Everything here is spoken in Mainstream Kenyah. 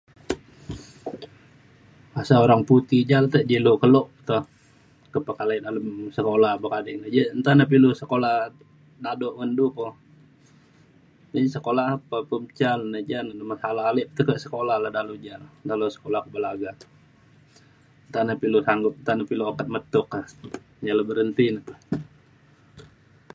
bahasa orang putih ja le te ilu kelo pe to ke pekalai dalem sekula bekading yak nta pa nilu sekula dado ngan du poh. ji sekula pe pum ca ni ja na meka ale ale sekula tekek dalau ja dalau sekula ke Belaga. nta na pa ilu sanggup nta na pa ilu sokat metuk e. ia le berhenti na pe.